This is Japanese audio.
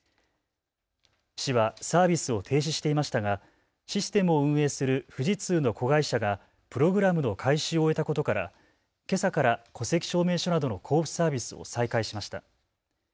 市はサービスを停止していましたがシステムを運営する富士通の子会社がプログラムの改修を終えたことから、けさから戸籍証明書などの交付サービスを再開しました。